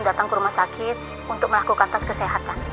datang ke rumah sakit untuk melakukan tes kesehatan